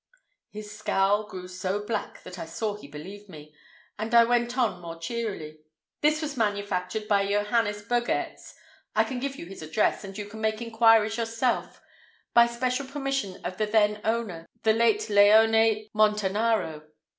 His scowl grew so black that I saw he believed me, and I went on more cheerily: "This was manufactured by Johannes Bogaerts—I can give you his address, and you can make inquiries yourself—by special permission of the then owner, the late Leone Montanaro."